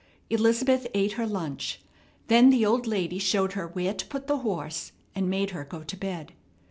Elizabeth ate her lunch; then the old lady showed her where to put the horse, and made her go to bed.